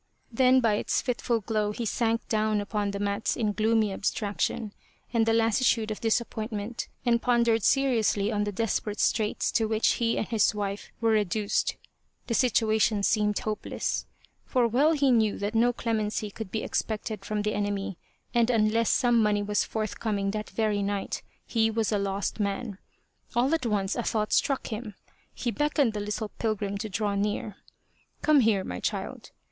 Then by its fitful glow he sank down upon the mats in gloomy abstraction and the lassitude of disappoint ment, and pondered seriously on the desperate straits to which he and his wife were reduced : the situation seemed hopeless, for well he knew that no clemency could be expected from the enemy and unless some money was forthcoming that very night he was a lost man. All at once a thought struck him. He beckoned the little pilgrim to draw near. " Come here, my child